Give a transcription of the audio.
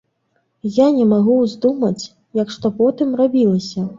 Я не магу ўздумаць, як што потым рабілася.